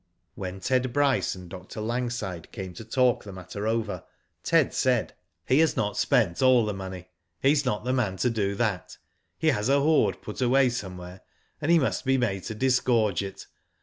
When Ted Bryce and Dr. Langside came to talk the matter over, Ted said :" He has not spent all the money. He's not the man to do that. He has a hoard put away somewhere, and he must be made to disgorge it.